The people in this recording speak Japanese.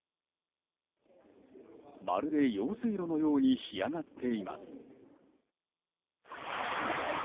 まるで用水路のように干上がっています。